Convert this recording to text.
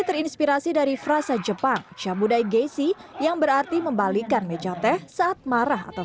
terinspirasi dari frasa jepang shabudai geisy yang berarti membalikkan meja teh saat marah atau